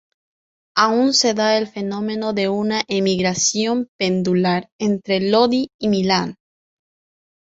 Aún se da el fenómeno de una emigración "pendular" entre Lodi y Milán.